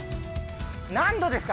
何度ですか？